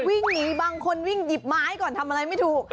วิ่งหนีบางคนวิ่งหยิบไม้ก่อนทำอะไรไม่ถูก